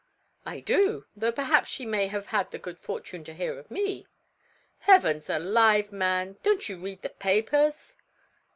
"I do, though perhaps she may have had the good fortune to hear of me." "Heavens alive, man! don't you read the papers?"